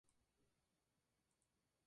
Se encuentra en China, Turkmenistán, y España.